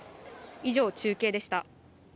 以上、中継でした。